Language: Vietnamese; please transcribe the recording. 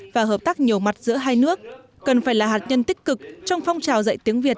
và hợp tác nhiều mặt giữa hai nước cần phải là hạt nhân tích cực trong phong trào dạy tiếng việt